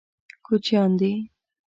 کوچیان دي.